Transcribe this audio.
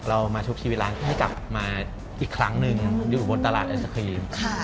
เรามาชุบชีวิตร้านให้กลับมาอีกครั้งหนึ่งอยู่บนตลาดไอศครีม